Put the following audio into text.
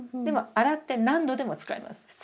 でも洗って何度でも使えます。